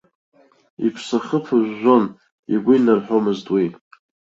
Иԥсахы ԥыжәжәон, игәы инарҳәомызт уи.